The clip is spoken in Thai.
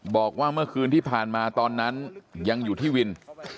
บอกว่าเมื่อคืนที่ผ่านมาตอนนั้นยังอยู่ที่วิน